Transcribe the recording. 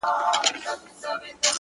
خدايه زه ستا د طبيعت په شاوخوا مئين يم”